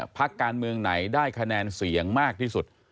พักการเมืองไหนได้คะแนนเสียงมากที่สุด